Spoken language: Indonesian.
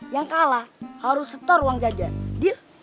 yang kalah harus setor uang jajan deal